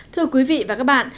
thưa quý vị và các bạn